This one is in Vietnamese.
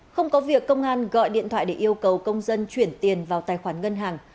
không có việc công an gọi điện thoại để yêu cầu công dân chuyển tiền vào tài khoản ngân hàng